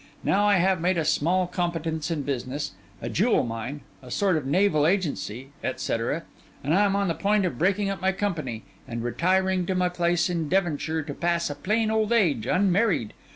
Now, I have made a small competence in business—a jewel mine, a sort of naval agency, et cætera, and I am on the point of breaking up my company, and retiring to my place in Devonshire to pass a plain old age, unmarried.